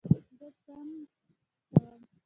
زه څخنک کوم.